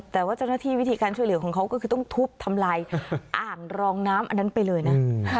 แต่ว่าเจ้าหน้าที่วิธีการช่วยเหลือของเขาก็คือต้องทุบทำลายอ่างรองน้ำอันนั้นไปเลยนะ